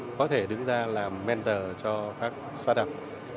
có thể đứng ra làm mentor cho các start up